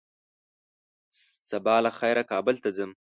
سبا له خيره کابل ته ځم